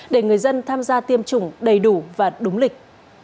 để người dân tham gia tiêm chủng đầy đủ và đúng lịch